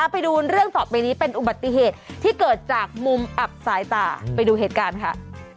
ไปดูเรื่องต่อไปนี้เป็นอุบัติเหตุที่เกิดจากมุมอับสายตาไปดูเหตุการณ์ค่ะ